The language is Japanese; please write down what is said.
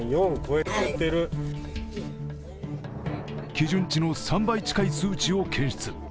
基準値の３倍近い数値を検出。